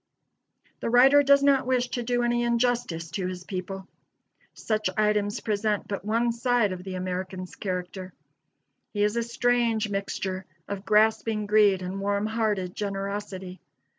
The writer does not wish to do any injustice to his people. Such items present but one side of the American's character. He is a strange mixture of grasping greed and warm hearted generosity.